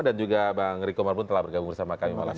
dan juga bang riko marpun telah bergabung bersama kami malam ini